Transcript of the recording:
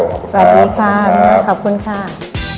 ขอบคุณแฟนขอบคุณครับ